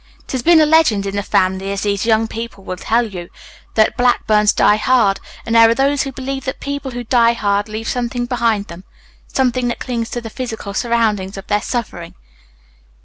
"It has been a legend in the family, as these young people will tell you, that Blackburns die hard, and there are those who believe that people who die hard leave something behind them something that clings to the physical surroundings of their suffering.